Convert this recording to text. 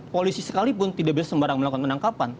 polisi sekalipun tidak bisa sembarang melakukan penangkapan